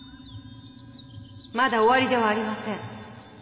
まだ終わりではありません。